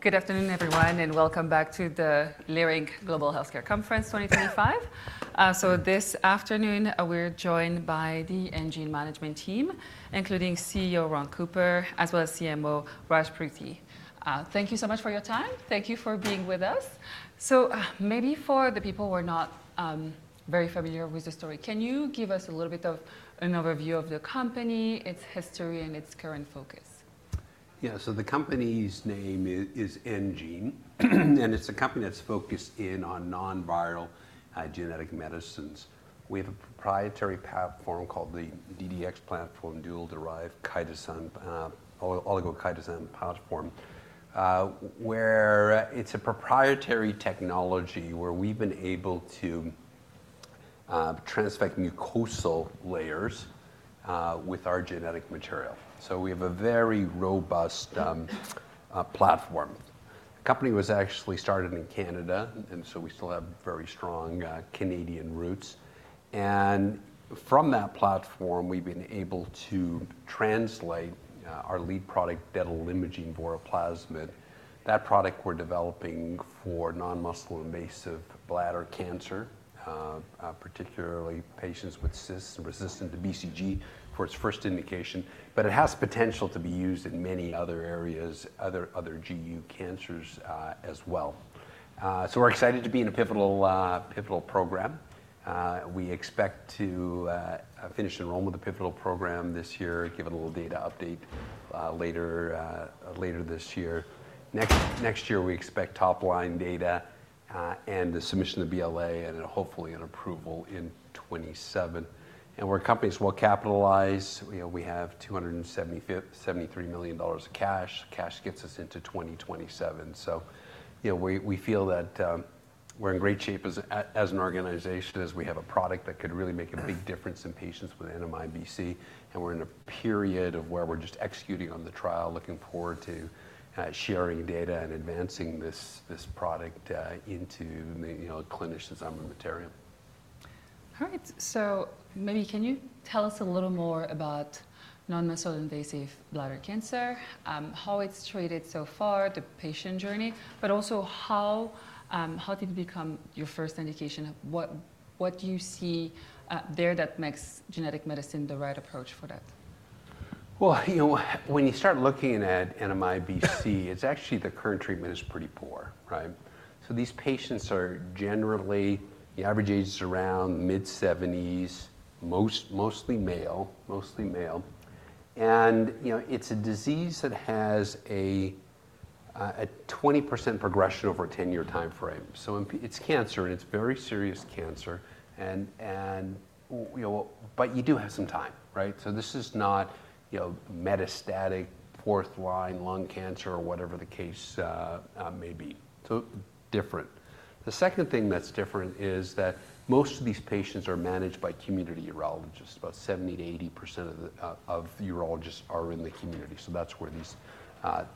Good afternoon, everyone, and welcome back to the Leerink Global Healthcare Conference 2025. This afternoon, we're joined by the enGene management team, including CEO Ron Cooper, as well as CMO Raj Pruthi. Thank you so much for your time. Thank you for being with us. So maybe for the people who are not very familiar with the story, can you give us a little bit of an overview of the company, its history, and its current focus? Yeah, so the company's name is enGene, and it's a company that's focused in on non-viral genetic medicines. We have a proprietary platform called the DDX platform, Dually Derivatized Oligochitosan platform, where it's a proprietary technology where we've been able to transfect mucosal layers with our genetic material. We have a very robust platform. The company was actually started in Canada, and we still have very strong Canadian roots. From that platform, we've been able to translate our lead product, detalimogene voraplasmid. That product we're developing for non-muscle invasive bladder cancer, particularly patients with CIS resistant to BCG for its first indication, but it has potential to be used in many other areas, other GU cancers as well. We're excited to be in a pivotal program. We expect to finish enrollment with the pivotal program this year, give a little data update later this year. Next year, we expect top-line data and the submission of BLA and hopefully an approval in 2027. We're a company that's well capitalized. We have $273 million of cash. Cash gets us into 2027. We feel that we're in great shape as an organization as we have a product that could really make a big difference in patients with NMIBC. We're in a period of where we're just executing on the trial, looking forward to sharing data and advancing this product into clinicians' armamentarium. All right. Maybe can you tell us a little more about non-muscle invasive bladder cancer, how it's treated so far, the patient journey, but also how did it become your first indication? What do you see there that makes genetic medicine the right approach for that? When you start looking at NMIBC, it's actually the current treatment is pretty poor, right? These patients are generally, the average age is around mid-70s, mostly male, mostly male. It's a disease that has a 20% progression over a 10-year time frame. It's cancer, and it's very serious cancer. You do have some time, right? This is not metastatic fourth-line lung cancer or whatever the case may be. Different. The second thing that's different is that most of these patients are managed by community urologists. About 70%-80% of urologists are in the community. That's where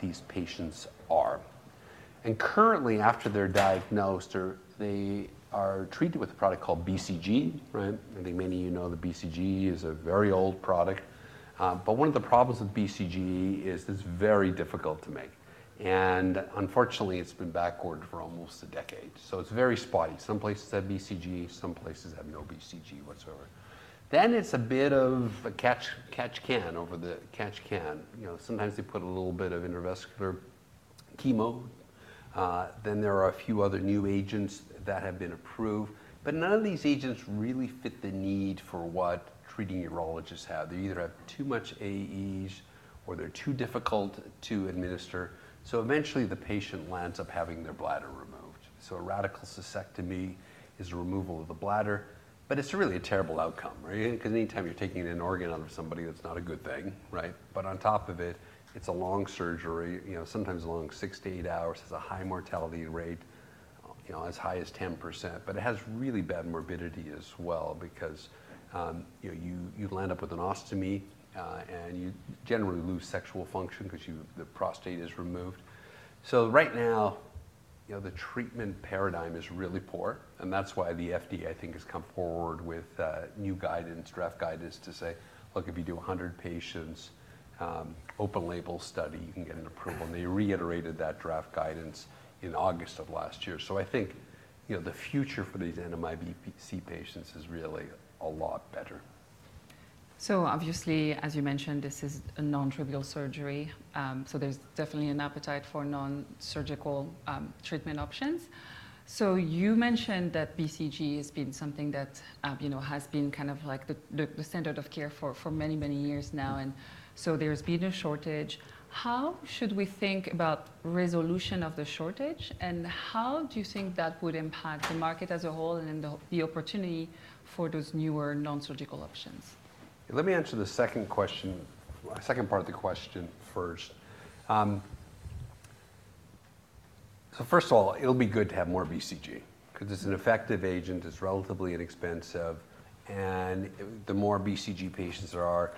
these patients are. Currently, after they're diagnosed, they are treated with a product called BCG, right? I think many of you know the BCG is a very old product. One of the problems with BCG is it's very difficult to make. Unfortunately, it's been backward for almost a decade. It's very spotty. Some places have BCG, some places have no BCG whatsoever. It's a bit of a catch can over the catch can. Sometimes they put a little bit of intravascular chemo. There are a few other new agents that have been approved. None of these agents really fit the need for what treating urologists have. They either have too much AEs or they're too difficult to administer. Eventually, the patient lands up having their bladder removed. A radical cystectomy is the removal of the bladder, but it's really a terrible outcome, right? Anytime you're taking an organ out of somebody, that's not a good thing, right? On top of it, it's a long surgery, sometimes long, six to eight hours, has a high mortality rate, as high as 10%. It has really bad morbidity as well because you land up with an ostomy and you generally lose sexual function because the prostate is removed. Right now, the treatment paradigm is really poor. That is why the FDA, I think, has come forward with new guidance, draft guidance to say, look, if you do 100 patients, open label study, you can get an approval. They reiterated that draft guidance in August of last year. I think the future for these NMIBC patients is really a lot better. Obviously, as you mentioned, this is a non-trivial surgery. There is definitely an appetite for non-surgical treatment options. You mentioned that BCG has been something that has been kind of like the standard of care for many, many years now. There has been a shortage. How should we think about resolution of the shortage? How do you think that would impact the market as a whole and the opportunity for those newer non-surgical options? Let me answer the second part of the question first. First of all, it'll be good to have more BCG because it's an effective agent, it's relatively inexpensive. The more BCG patients there are,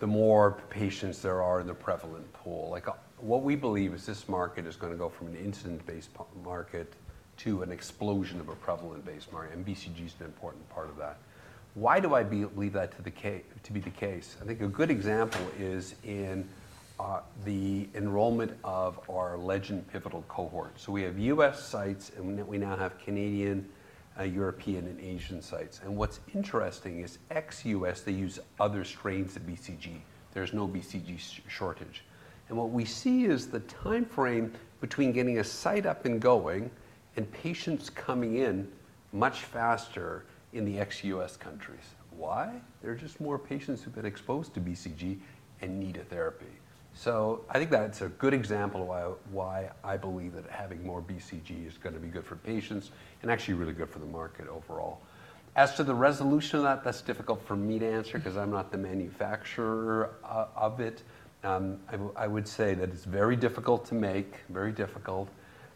the more patients there are in the prevalent pool. What we believe is this market is going to go from an incident-based market to an explosion of a prevalent-based market. BCG is an important part of that. Why do I believe that to be the case? I think a good example is in the enrollment of our LEGEND pivotal cohort. We have U.S. sites, and we now have Canadian, European, and Asian sites. What's interesting is ex-U.S., they use other strains of BCG. There's no BCG shortage. What we see is the time frame between getting a site up and going and patients coming in much faster in the ex-U.S. countries. Why? There are just more patients who've been exposed to BCG and need a therapy. I think that's a good example of why I believe that having more BCG is going to be good for patients and actually really good for the market overall. As to the resolution of that, that's difficult for me to answer because I'm not the manufacturer of it. I would say that it's very difficult to make, very difficult.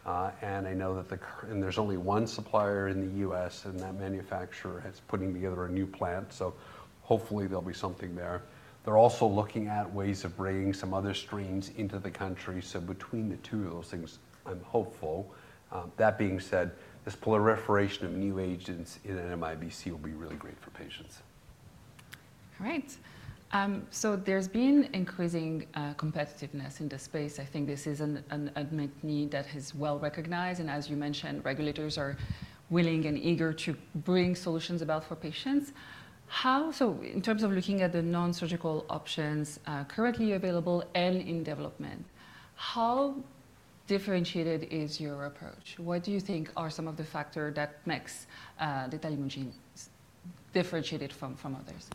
I know that there's only one supplier in the U.S., and that manufacturer is putting together a new plant. Hopefully there'll be something there. They're also looking at ways of bringing some other strains into the country. Between the two of those things, I'm hopeful. That being said, this proliferation of new agents in NMIBC will be really great for patients. All right. There has been increasing competitiveness in the space. I think this is an admitted need that is well recognized. As you mentioned, regulators are willing and eager to bring solutions about for patients. In terms of looking at the non-surgical options currently available and in development, how differentiated is your approach? What do you think are some of the factors that make detalimogene differentiated from others?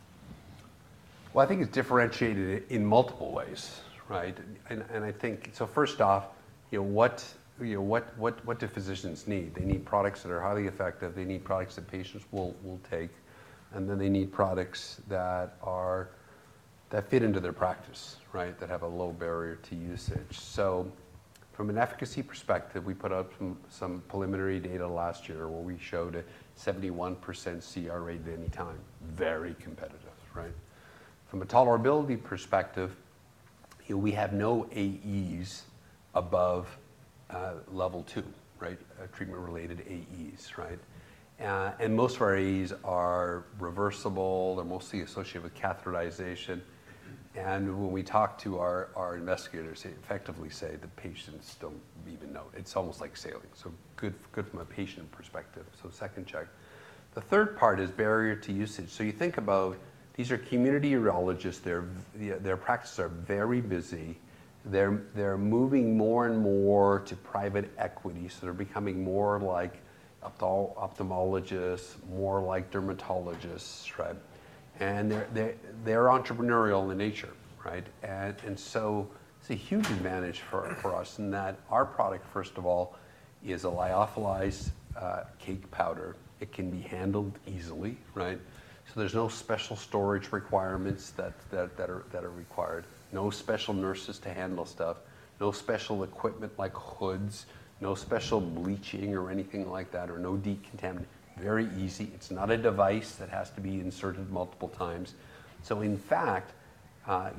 I think it's differentiated in multiple ways, right? I think, so first off, what do physicians need? They need products that are highly effective. They need products that patients will take. They need products that fit into their practice, right, that have a low barrier to usage. From an efficacy perspective, we put out some preliminary data last year where we showed a 71% CR rate at any time, very competitive, right? From a tolerability perspective, we have no AEs above level two, right, treatment-related AEs, right? Most of our AEs are reversible. They're mostly associated with catheterization. When we talk to our investigators, they effectively say the patients don't even know. It's almost like sailing. Good from a patient perspective. Second check. The third part is barrier to usage. You think about these are community urologists. Their practices are very busy. They're moving more and more to private equity. They're becoming more like ophthalmologists, more like dermatologists, right? They're entrepreneurial in nature, right? It is a huge advantage for us in that our product, first of all, is a lyophilized cake powder. It can be handled easily, right? There are no special storage requirements that are required. No special nurses to handle stuff. No special equipment like hoods. No special bleaching or anything like that, or no decontamination. Very easy. It is not a device that has to be inserted multiple times. In fact,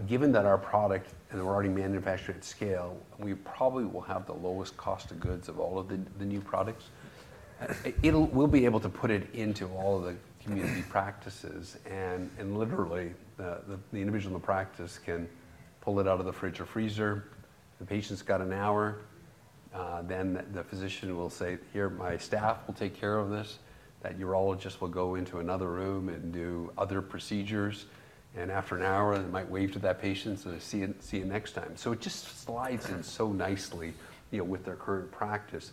given that our product, and we're already manufacturing at scale, we probably will have the lowest cost of goods of all of the new products. We'll be able to put it into all of the community practices. Literally, the individual in the practice can pull it out of the fridge or freezer. The patient's got an hour. The physician will say, "Here, my staff will take care of this." That urologist will go into another room and do other procedures. After an hour, they might wave to that patient and say, "See you next time." It just slides in so nicely with their current practice.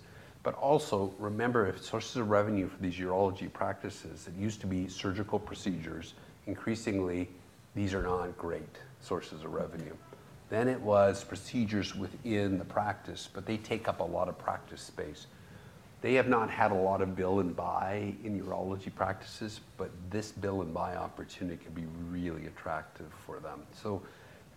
Also remember, sources of revenue for these urology practices, it used to be surgical procedures. Increasingly, these are not great sources of revenue. It was procedures within the practice, but they take up a lot of practice space. They have not had a lot of bill and buy in urology practices, but this bill and buy opportunity can be really attractive for them.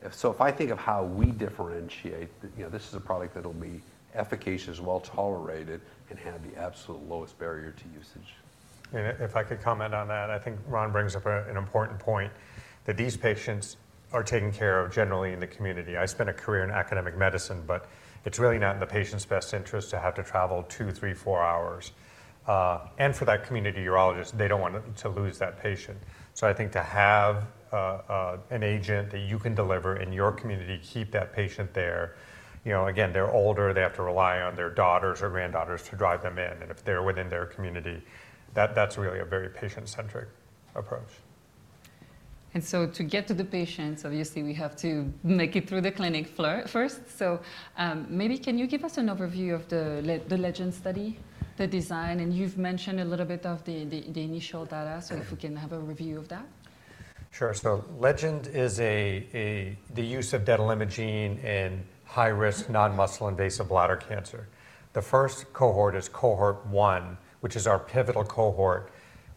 If I think of how we differentiate, this is a product that'll be efficacious, well tolerated, and have the absolute lowest barrier to usage. If I could comment on that, I think Ron brings up an important point that these patients are taken care of generally in the community. I spent a career in academic medicine, but it's really not in the patient's best interest to have to travel two, three, four hours. For that community urologist, they don't want to lose that patient. I think to have an agent that you can deliver in your community, keep that patient there. Again, they're older. They have to rely on their daughters or granddaughters to drive them in. If they're within their community, that's really a very patient-centric approach. To get to the patients, obviously, we have to make it through the clinic first. Maybe can you give us an overview of the LEGEND study, the design? You have mentioned a little bit of the initial data. If we can have a review of that. Sure. LEGEND is the use of detalimogene in high-risk non-muscle invasive bladder cancer. The first cohort is cohort one, which is our pivotal cohort,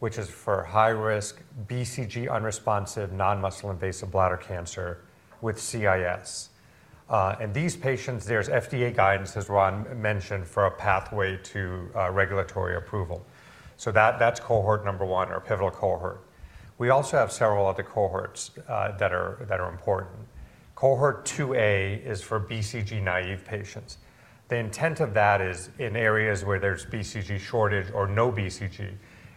which is for high-risk BCG-unresponsive non-muscle invasive bladder cancer with CIS. And these patients, there's FDA guidance, as Ron mentioned, for a pathway to regulatory approval. So that's cohort number one, our pivotal cohort. We also have several other cohorts that are important. Cohort 2A is for BCG-naive patients. The intent of that is in areas where there's BCG shortage or no BCG.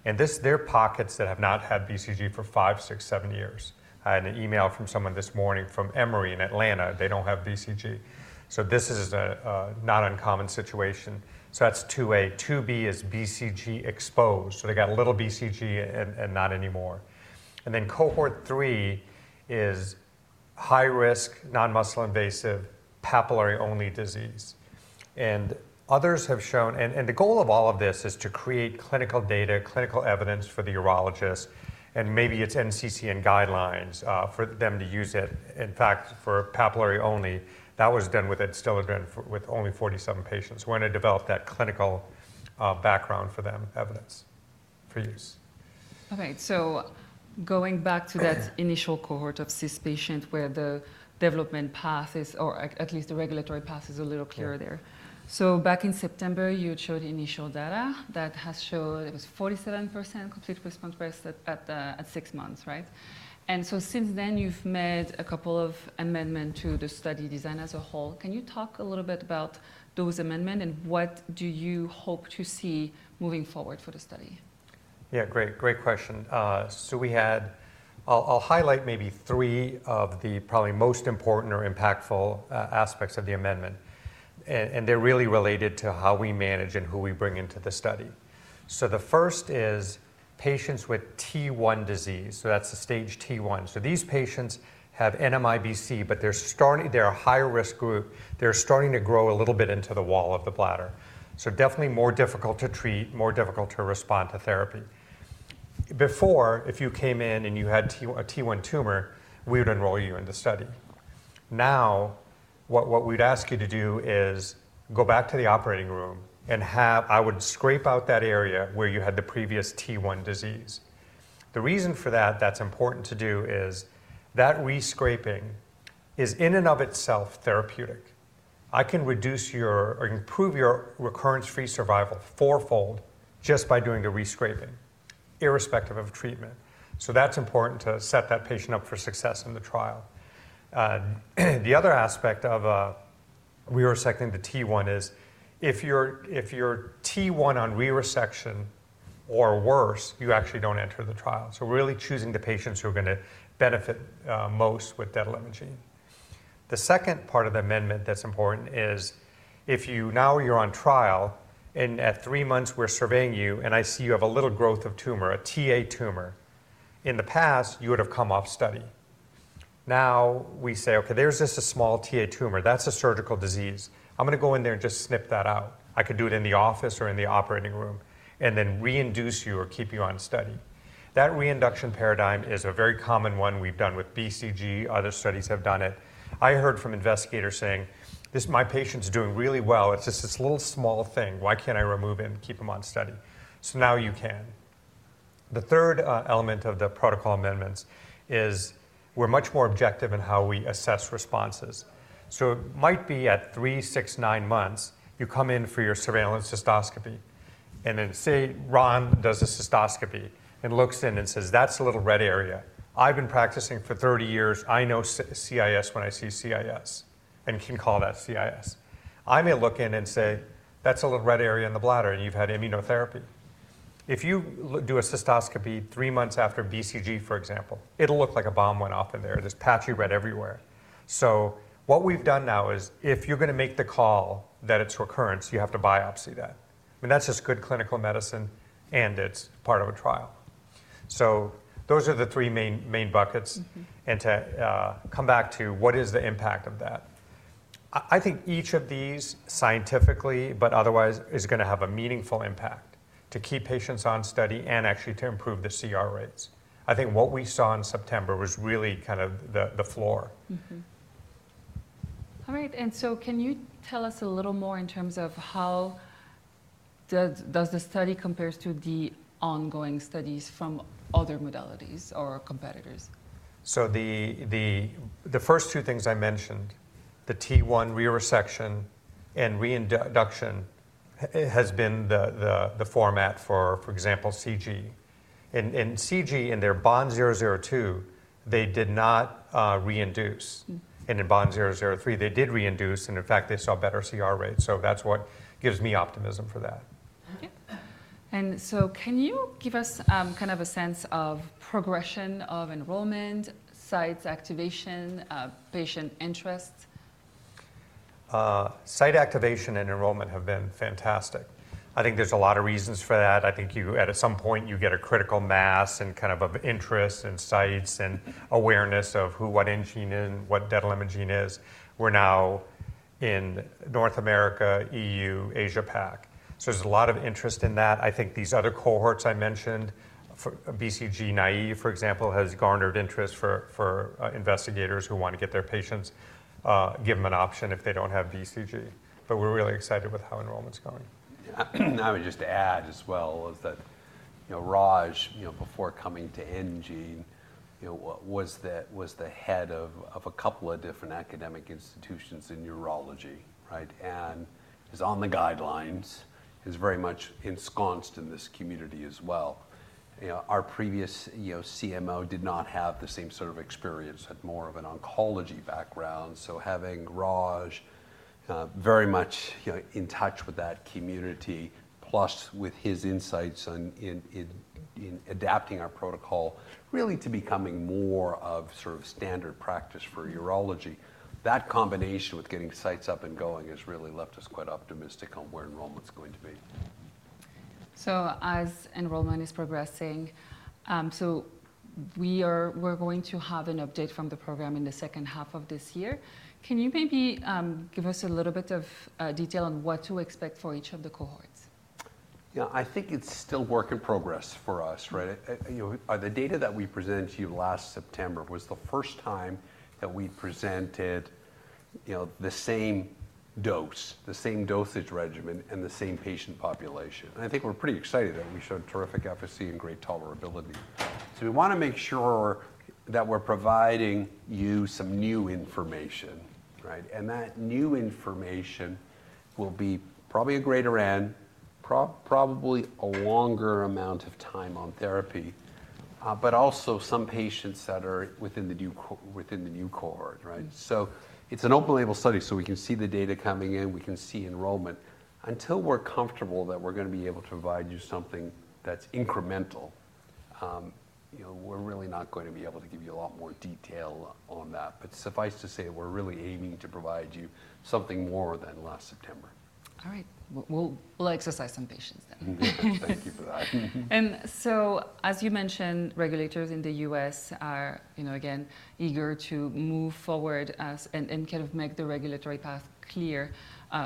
And they're pockets that have not had BCG for five, six, seven years. I had an email from someone this morning from Emory in Atlanta. They don't have BCG. So this is a not uncommon situation. So that's 2A. 2B is BCG-exposed. So they got a little BCG and not anymore. Cohort three is high-risk non-muscle invasive papillary-only disease. Others have shown, and the goal of all of this is to create clinical data, clinical evidence for the urologists, and maybe it's NCCN guidelines for them to use it. In fact, for papillary-only, that was done with ADSTILADRIN, with only 47 patients. We're going to develop that clinical background for them, evidence for use. All right. Going back to that initial cohort of CIS patients where the development path is, or at least the regulatory path is a little clearer there. Back in September, you showed initial data that showed it was 47% complete response rate at six months, right? Since then, you've made a couple of amendments to the study design as a whole. Can you talk a little bit about those amendments and what you hope to see moving forward for the study? Yeah, great. Great question. We had, I'll highlight maybe three of the probably most important or impactful aspects of the amendment. They're really related to how we manage and who we bring into the study. The first is patients with T1 disease. That's the stage T1. These patients have NMIBC, but they're a high-risk group. They're starting to grow a little bit into the wall of the bladder. Definitely more difficult to treat, more difficult to respond to therapy. Before, if you came in and you had a T1 tumor, we would enroll you in the study. Now, what we'd ask you to do is go back to the operating room and have, I would scrape out that area where you had the previous T1 disease. The reason for that, that's important to do is that rescraping is in and of itself therapeutic. I can reduce your or improve your recurrence-free survival fourfold just by doing the rescraping, irrespective of treatment. That is important to set that patient up for success in the trial. The other aspect of re-resecting the T1 is if you are T1 on re-resection or worse, you actually do not enter the trial. Really choosing the patients who are going to benefit most with detalimogene. The second part of the amendment that is important is if you are now on trial and at three months we are surveying you and I see you have a little growth of tumor, a Ta tumor. In the past, you would have come off study. Now we say, okay, there is just a small Ta tumor. That is a surgical disease. I am going to go in there and just snip that out. I could do it in the office or in the operating room and then re-induce you or keep you on study. That re-induction paradigm is a very common one we've done with BCG. Other studies have done it. I heard from investigators saying, "My patient's doing really well. It's just this little small thing. Why can't I remove him and keep him on study?" Now you can. The third element of the protocol amendments is we're much more objective in how we assess responses. It might be at three, six, nine months, you come in for your surveillance cystoscopy and then say, "Ron does a cystoscopy and looks in and says, 'That's a little red area.'" I've been practicing for 30 years. I know CIS when I see CIS and can call that CIS. I may look in and say, "That's a little red area in the bladder and you've had immunotherapy." If you do a cystoscopy three months after BCG, for example, it'll look like a bomb went off in there. There's patchy red everywhere. What we've done now is if you're going to make the call that it's recurrence, you have to biopsy that. I mean, that's just good clinical medicine and it's part of a trial. Those are the three main buckets. To come back to what is the impact of that, I think each of these scientifically, but otherwise is going to have a meaningful impact to keep patients on study and actually to improve the CR rates. I think what we saw in September was really kind of the floor. All right. Can you tell us a little more in terms of how does the study compare to the ongoing studies from other modalities or competitors? The first two things I mentioned, the T1 re-resection and re-induction, has been the format for, for example, CG. In CG, in their BOND-002, they did not re-induce. In BOND-003, they did re-induce. In fact, they saw better CR rates. That is what gives me optimism for that. Okay. Can you give us kind of a sense of progression of enrollment, site activation, patient interest? Site activation and enrollment have been fantastic. I think there's a lot of reasons for that. I think at some point you get a critical mass and kind of interest and sites and awareness of who, what enGene and what detalimogene is. We're now in North America, EU, Asia PAC. There's a lot of interest in that. I think these other cohorts I mentioned, BCG naive, for example, has garnered interest for investigators who want to get their patients, give them an option if they don't have BCG. We're really excited with how enrollment's going. I would just add as well is that Raj, before coming to enGene, was the head of a couple of different academic institutions in urology, right? And is on the guidelines, is very much ensconced in this community as well. Our previous CMO did not have the same sort of experience, had more of an oncology background. Having Raj very much in touch with that community, plus with his insights in adapting our protocol really to becoming more of sort of standard practice for urology, that combination with getting sites up and going has really left us quite optimistic on where enrollment's going to be. As enrollment is progressing, we're going to have an update from the program in the second half of this year. Can you maybe give us a little bit of detail on what to expect for each of the cohorts? Yeah, I think it's still work in progress for us, right? The data that we presented to you last September was the first time that we presented the same dose, the same dosage regimen, and the same patient population. I think we're pretty excited that we showed terrific efficacy and great tolerability. We want to make sure that we're providing you some new information, right? That new information will be probably a greater n, probably a longer amount of time on therapy, but also some patients that are within the new cohort, right? It's an open label study. We can see the data coming in. We can see enrollment. Until we're comfortable that we're going to be able to provide you something that's incremental, we're really not going to be able to give you a lot more detail on that. Suffice to say, we're really aiming to provide you something more than last September. All right. We'll exercise some patience then. Thank you for that. As you mentioned, regulators in the U.S. are again eager to move forward and kind of make the regulatory path clear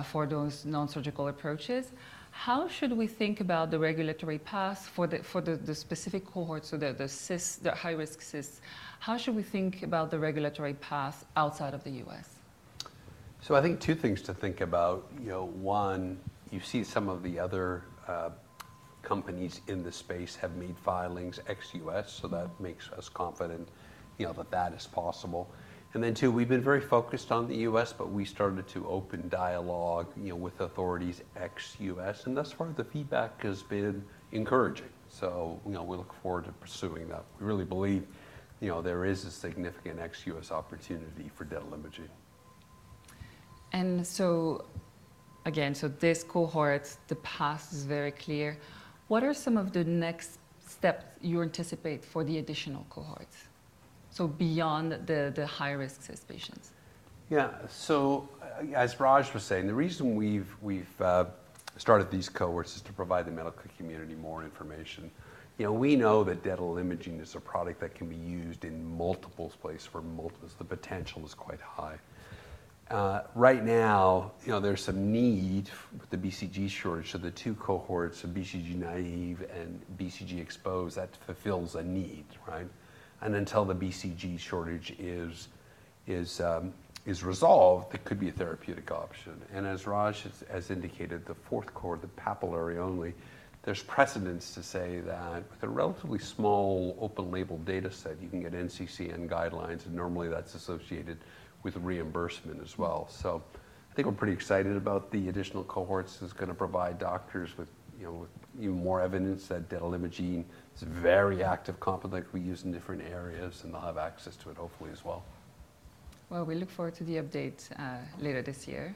for those non-surgical approaches. How should we think about the regulatory path for the specific cohorts, so the high-risk CIS? How should we think about the regulatory path outside of the U.S.? I think two things to think about. One, you see some of the other companies in the space have made filings ex-U.S. That makes us confident that that is possible. We have been very focused on the U.S., but we started to open dialogue with authorities ex-U.S. Thus far, the feedback has been encouraging. We look forward to pursuing that. We really believe there is a significant ex-U.S. opportunity for detalimogene. Again, this cohort, the path is very clear. What are some of the next steps you anticipate for the additional cohorts? Beyond the high-risk cyst patients. Yeah. As Raj was saying, the reason we've started these cohorts is to provide the medical community more information. We know that detalimogene is a product that can be used in multiple places for multiple. The potential is quite high. Right now, there's some need with the BCG shortage. The two cohorts, BCG naive and BCG exposed, that fulfills a need, right? Until the BCG shortage is resolved, it could be a therapeutic option. As Raj has indicated, the fourth cohort, the papillary-only, there's precedence to say that with a relatively small open label data set, you can get NCCN guidelines. Normally that's associated with reimbursement as well. I think we're pretty excited about the additional cohorts. It's going to provide doctors with even more evidence that dental imaging is a very active complement that we use in different areas, and they'll have access to it hopefully as well. We look forward to the update later this year.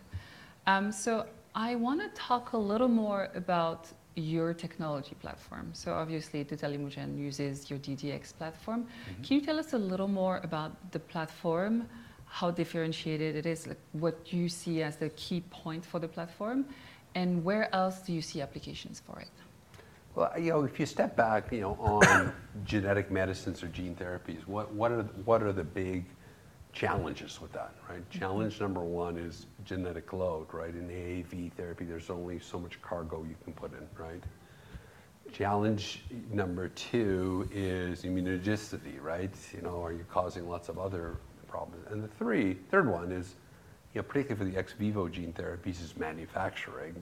I want to talk a little more about your technology platform. Obviously, detalimogene uses your DDX platform. Can you tell us a little more about the platform, how differentiated it is, what you see as the key point for the platform, and where else do you see applications for it? If you step back on genetic medicines or gene therapies, what are the big challenges with that, right? Challenge number one is genetic load, right? In AAV therapy, there's only so much cargo you can put in, right? Challenge number two is immunogenicity, right? Are you causing lots of other problems? The third one is, particularly for the ex-vivo gene therapies, manufacturing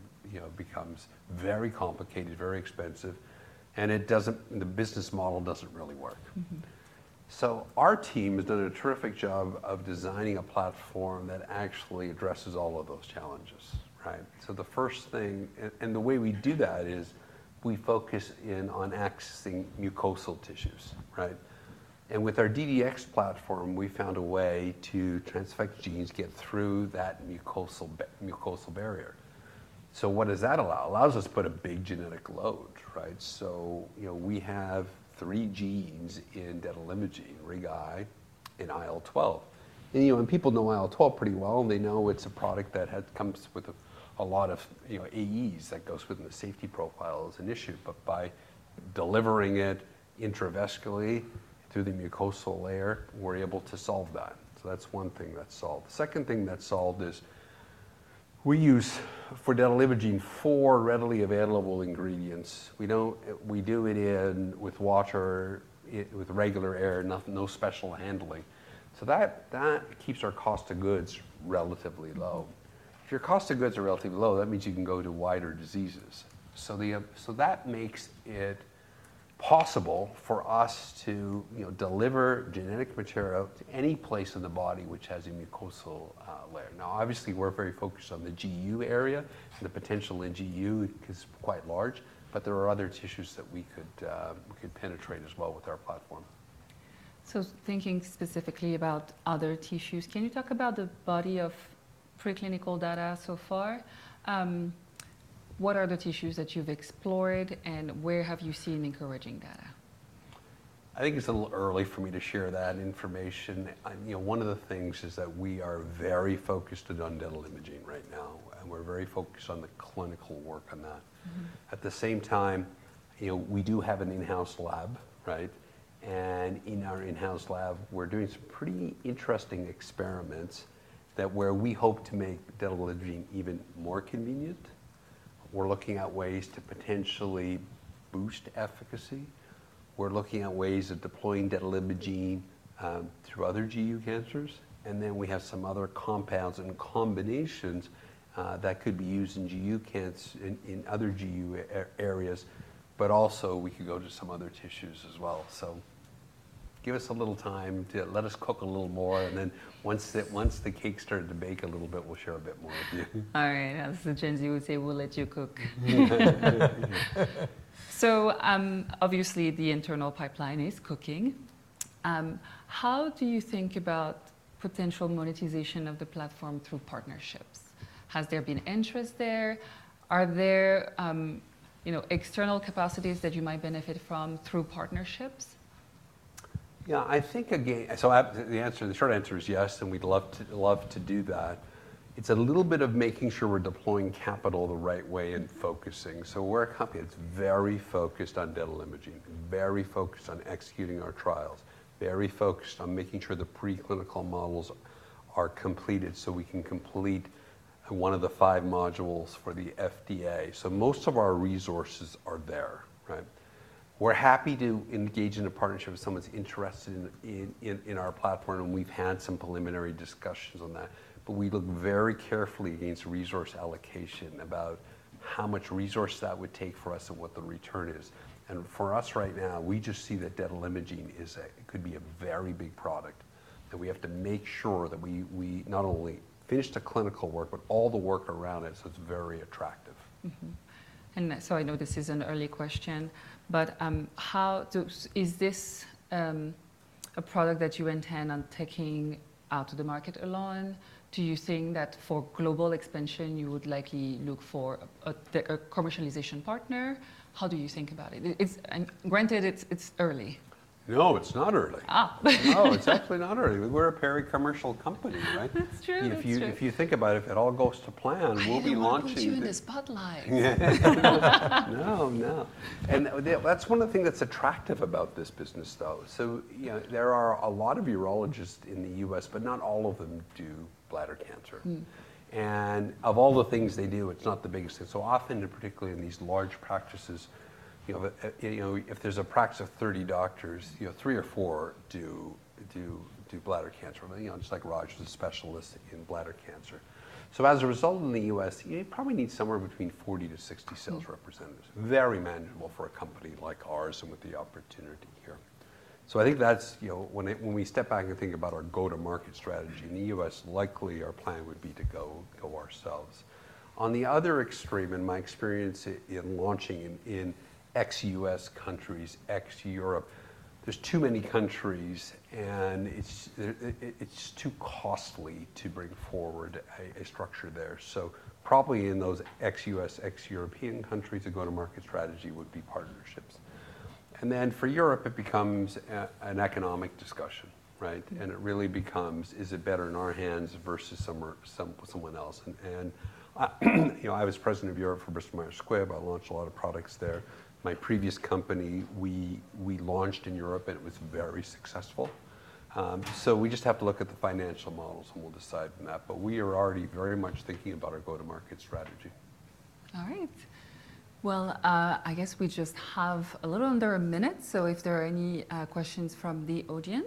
becomes very complicated, very expensive, and the business model doesn't really work. Our team has done a terrific job of designing a platform that actually addresses all of those challenges, right? The first thing, and the way we do that is we focus in on accessing mucosal tissues, right? With our DDX platform, we found a way to transfect genes, get through that mucosal barrier. What does that allow? It allows us to put a big genetic load, right? We have three genes in detalimogene, RIG-I and IL-12. People know IL-12 pretty well and they know it's a product that comes with a lot of AEs that goes within the safety profile is an issue. By delivering it intravesically through the mucosal layer, we're able to solve that. That is one thing that's solved. The second thing that's solved is we use for detalimogene four readily available ingredients. We do it with water, with regular air, no special handling. That keeps our cost of goods relatively low. If your cost of goods are relatively low, that means you can go to wider diseases. That makes it possible for us to deliver genetic material to any place in the body which has a mucosal layer. Obviously, we're very focused on the GU area. The potential in GU is quite large, but there are other tissues that we could penetrate as well with our platform. Thinking specifically about other tissues, can you talk about the body of preclinical data so far? What are the tissues that you've explored and where have you seen encouraging data? I think it's a little early for me to share that information. One of the things is that we are very focused on dental imaging right now. We're very focused on the clinical work on that. At the same time, we do have an in-house lab, right? In our in-house lab, we're doing some pretty interesting experiments where we hope to make dental imaging even more convenient. We're looking at ways to potentially boost efficacy. We're looking at ways of deploying dental imaging through other GU cancers. We have some other compounds and combinations that could be used in other GU areas, but also we could go to some other tissues as well. Give us a little time to let us cook a little more. Once the cake started to bake a little bit, we'll share a bit more with you. All right. As the Gen Z would say, we'll let you cook. Obviously, the internal pipeline is cooking. How do you think about potential monetization of the platform through partnerships? Has there been interest there? Are there external capacities that you might benefit from through partnerships? Yeah, I think again, the short answer is yes, and we'd love to do that. It's a little bit of making sure we're deploying capital the right way and focusing. We're a company that's very focused on dental imaging, very focused on executing our trials, very focused on making sure the preclinical models are completed so we can complete one of the five modules for the FDA. Most of our resources are there, right? We're happy to engage in a partnership if someone's interested in our platform. We've had some preliminary discussions on that. We look very carefully against resource allocation about how much resource that would take for us and what the return is. For us right now, we just see that dental imaging could be a very big product. We have to make sure that we not only finish the clinical work, but all the work around it so it's very attractive. I know this is an early question, but is this a product that you intend on taking out to the market alone? Do you think that for global expansion, you would likely look for a commercialization partner? How do you think about it? Granted, it's early. No, it's not early. No, it's actually not early. We're a pericommercial company, right? That's true. If you think about it, if it all goes to plan, we'll be launching. You're not in the spotlight. No, no. That's one of the things that's attractive about this business, though. There are a lot of urologists in the U.S., but not all of them do bladder cancer. Of all the things they do, it's not the biggest thing. Often, particularly in these large practices, if there's a practice of 30 doctors, three or four do bladder cancer. Just like Raj was a specialist in bladder cancer. As a result, in the U.S., you probably need somewhere between 40-60 sales representatives. Very manageable for a company like ours and with the opportunity here. I think that's when we step back and think about our go-to-market strategy in the U.S., likely our plan would be to go ourselves. On the other extreme, in my experience in launching in ex-U.S. countries, ex-Europe, there's too many countries and it's too costly to bring forward a structure there. Probably in those ex-U.S., ex-European countries, a go-to-market strategy would be partnerships. For Europe, it becomes an economic discussion, right? It really becomes, is it better in our hands versus someone else? I was President of Europe for Bristol Myers Squibb. I launched a lot of products there. My previous company, we launched in Europe and it was very successful. We just have to look at the financial models and we'll decide on that. We are already very much thinking about our go-to-market strategy. All right. I guess we just have a little under a minute. If there are any questions from the audience.